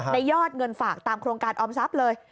ยอดเงินฝากตามโครงการออมทรัพย์เลย